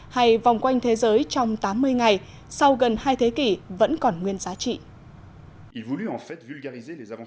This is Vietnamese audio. hay vòng quanh thế giới trong tám mươi ngày sau gần hai thế kỷ vẫn còn nguyên giá trị